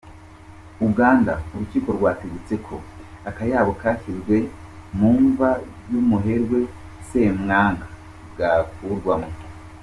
Uganda: Urukiko rwategetse ko akayabo kashyizwe mu mva y’ Umuherwe Semwanga gakurwamo.